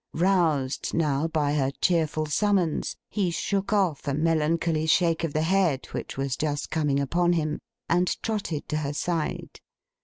Roused, now, by her cheerful summons, he shook off a melancholy shake of the head which was just coming upon him, and trotted to her side.